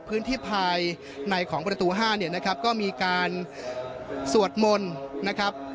พื้นที่ภายในของประตู๕เนี่ยนะครับก็มีการสวดมนต์นะครับ